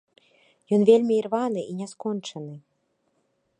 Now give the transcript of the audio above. Ён вельмі ірваны і няскончаны.